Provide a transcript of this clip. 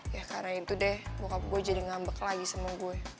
ya karena itu deh muka gue jadi ngambek lagi sama gue